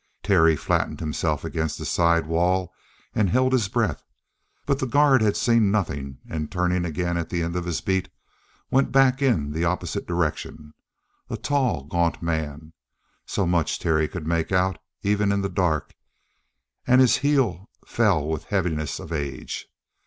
Terry flattened himself against the side wall and held his breath. But the guard had seen nothing and, turning again at the end of his beat, went back in the opposite direction, a tall, gaunt man so much Terry could make out even in the dark, and his heel fell with the heaviness of age.